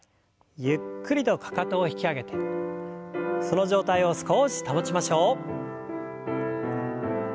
ゆっくりとかかとを引き上げてその状態を少し保ちましょう。